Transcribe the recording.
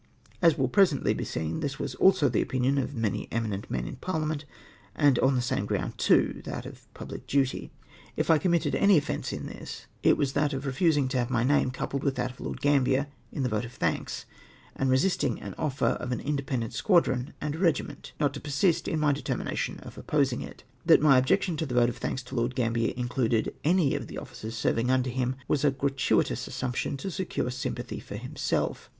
As will presently be seen, this was also the opinion of many eminent men in Parhament, and on the same ground too — that of pubhc duty. If I com mitted any offence in tliis, it was that of refusing to have my name coupled with that of Lord Gambler in the vote of thanks, and resisting an offer of an indepen dent squadi'on and a regiment*, not to persist in my determination of opposing it. That my objection to the vote of thanks to Lord Gambler included any of the officers serving under him was a gratuitous assumption to secure sympathy for himself.